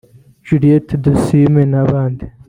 Juliet Tumusiime n’abandi